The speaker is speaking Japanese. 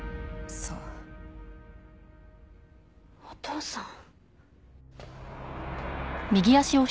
お父さん？